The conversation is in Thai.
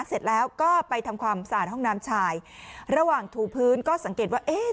เสร็จแล้วก็ไปทำความสะอาดห้องน้ำชายระหว่างถูพื้นก็สังเกตว่าเอ๊ะ